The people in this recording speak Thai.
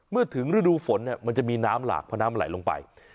ถึงฤดูฝนมันจะมีน้ำหลากเพราะน้ำมันไหลลงไป